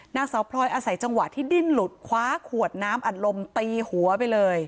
นางสาวพลอยอาศัยจังหวะที่ดิ้นหลุดคว้าขวดน้ำอัดลมตีหัวไปเลย